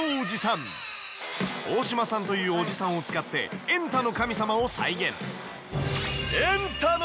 大島さんというおじさんを使って『エンタの神様』を再現。